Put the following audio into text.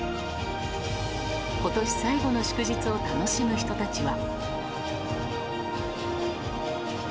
今年最後の祝日を楽しむ人たちは。